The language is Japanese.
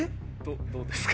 どどうですか？